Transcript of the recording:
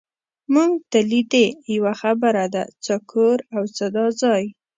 مونږ ته لیدې، یوه خبره ده، څه کور او څه دا ځای.